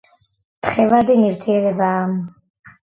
თხევადი ნივთიერებაააააააა